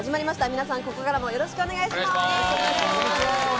皆さん、ここからもよろしくお願いします。